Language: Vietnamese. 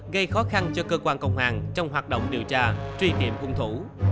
gây khó khăn cho cơ quan công an trong hoạt động điều tra truy kiệm cung thủ